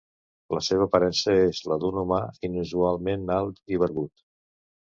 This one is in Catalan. La seva aparença és la d'un humà inusualment alt i barbut.